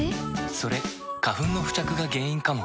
それ花粉の付着が原因かも。